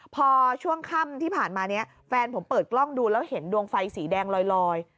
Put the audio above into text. พอช่วงค่ำที่ผ่านมาเนี่ยแฟนผมเปิดกล้องดูแล้วเห็นดวงไฟสีแดงลอย